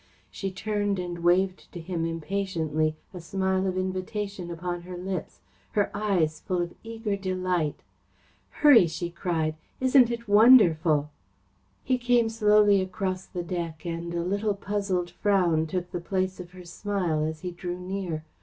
She turned and waved to him impatiently, a smile of invitation upon her lips, her eyes full of eager delight. "Hurry!" she cried. "Isn't it wonderful?" He came slowly across the deck, and a little puzzled frown took the place of her smile as he drew near.